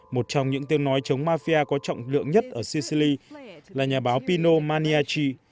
một trong những tiếng nói chống mafia có trọng lượng nhất ở sicily là nhà báo pino maniaci